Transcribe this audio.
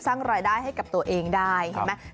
สร้างรายได้ให้กับตัวเองได้เห็นไหม